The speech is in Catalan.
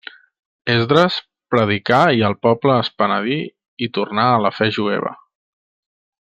Esdres predicà i el poble es penedí i tornà a la fe jueva.